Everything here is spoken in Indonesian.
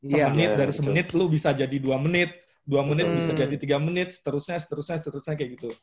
semenit dari semenit lu bisa jadi dua menit dua menit bisa jadi tiga menit seterusnya seterusnya kayak gitu